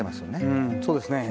うんそうですね。